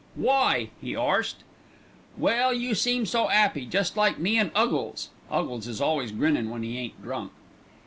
"'Why?' he arst. "'Well, you seem so 'appy, just like me and 'Uggles.' 'Uggles is always grinnin' when 'e ain't drunk.